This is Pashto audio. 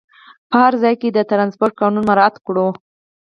په هر ځای کې د ترانسپورټ قانون مراعات کړه.